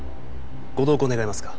ご同行願えますか？